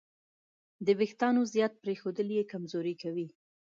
د وېښتیانو زیات پرېښودل یې کمزوري کوي.